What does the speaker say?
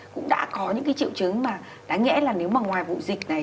cũng đã có những triệu chứng mà đáng nghĩa là nếu mà ngoài vụ dịch này